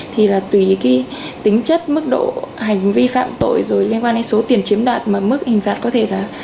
thì là tùy cái tính chất mức độ hành vi phạm tội rồi liên quan đến số tiền chiếm đoạt mà mức hình phạt có thể là